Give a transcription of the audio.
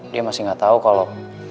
dia masih nggak tahu kalau